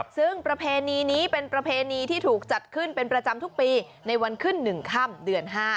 ซึ่งประเพณีนี้เป็นประเพณีที่ถูกจัดขึ้นเป็นประจำทุกปีในวันขึ้น๑ค่ำเดือน๕